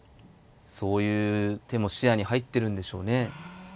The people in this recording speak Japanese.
そういう手も視野に入ってるんでしょうね。